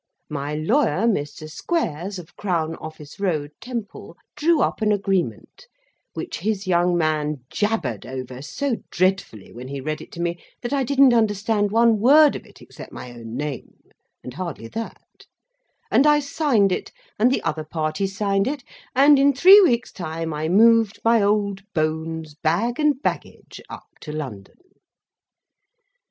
My lawyer, Mr. Squares, of Crown Office Row; Temple, drew up an agreement; which his young man jabbered over so dreadfully when he read it to me, that I didn't understand one word of it except my own name; and hardly that, and I signed it, and the other party signed it, and, in three weeks' time, I moved my old bones, bag and baggage, up to London.